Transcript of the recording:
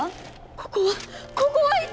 ここはここはいつ？